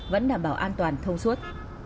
vẫn đảm bảo an toàn thông suốt